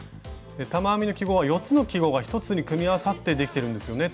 玉編みの記号は４つの記号が１つに組み合わさってできてるんですよね